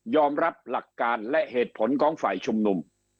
รับหลักการและเหตุผลของฝ่ายชุมนุม